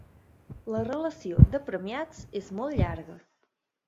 La relació de premiats és molt llarga.